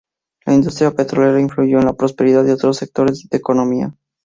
La industria petrolera influyó en la prosperidad de otros sectores de economía.